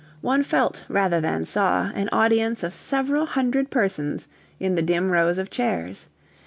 One felt, rather than saw, an audience of several hundred persons in the dim rows of chairs.